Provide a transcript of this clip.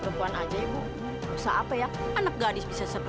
tidak ada yang bisa dianggap